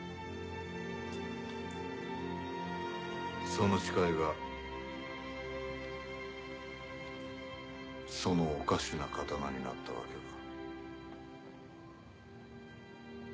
その誓いがそのおかしな刀になったわけか。